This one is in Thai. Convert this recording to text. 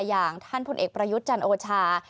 อย่างท่านพลเอกประยุทธ์จันโอชา